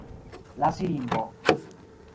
La siringo.